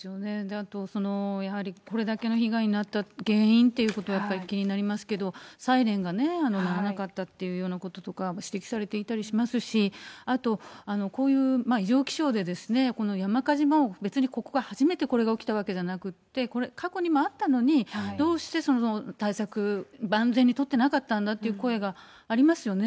あと、やはりこれだけの被害になった原因ということは気になりますけど、サイレンがね、鳴らなかったというようなこととか指摘されていたりしますし、あとこういう異常気象で、この山火事も、ここが別に初めてこれが起きたわけじゃなくて、過去にもあったのに、どうしてその対策、万全に取っていなかったんだっていう声がありますよね。